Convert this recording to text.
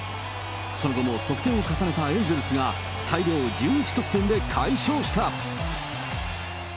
その後も得点を重ねたエンゼルスが大量１１得点で快勝した。